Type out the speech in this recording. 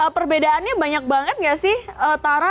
perbedaannya banyak banget gak sih tara